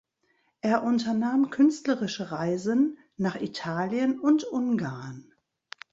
Er unternahm künstlerische Reisen nach Italien und Ungarn.